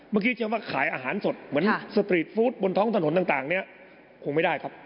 เมื่อกี้จะมาขายอาหารสดเหมือนสตรีทฟู้ดบนท้องถนนต่างเนี่ยคงไม่ได้ครับ